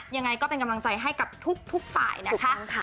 ยังไงก็เป็นกำลังใจให้กับทุกฝ่ายนะคะ